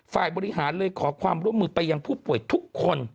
ฝ่ายบริหารเลยขอความร่วมมือไปยังผู้ป่วยทุกคน